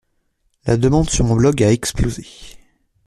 La demande sur mon blog a explosé.